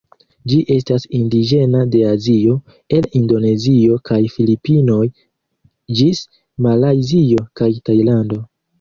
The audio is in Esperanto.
Ĝi estas indiĝena de Azio, el Indonezio kaj Filipinoj ĝis Malajzio kaj Tajlando.